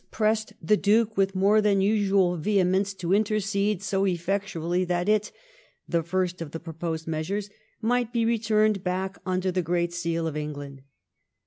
199 ' pressed the Duke with more than usual vehemence to intercede so effectually that it '— the first of the proposed measures —^ might be returned back under the Great Seal of England.'